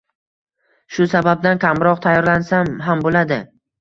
Shu sababdan kamroq tayyorlansam ham boʻladi.